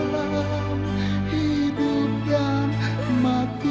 sesuai dengan nama najib